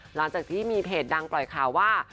หลังจากที่มีเพจดังปล่อยข่าวว่า